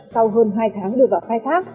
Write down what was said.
sau hơn hai tháng đưa vào khai thác